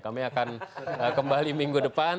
kami akan kembali minggu depan